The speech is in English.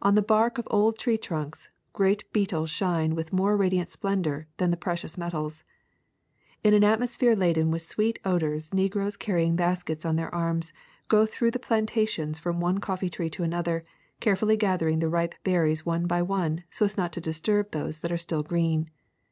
On the bark of old tree trunks great beetles shine with more radiant splendor than the precious metals. In an at mosphere laden with sweet odors negroes carrying baskets on their arms go through the plantations from one cotfee tree to another, carefully gathering the ripe berries one by one so as not to disturb those that are still green.